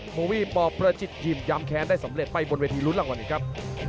โบวี่ปประจิตยิมย้ำแค้นได้สำเร็จไปบนเวทีรุ้นรางวัลอีกครับ